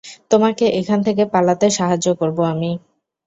তোমাকে এখান থেকে পালাতে সাহায্য করবো আমি।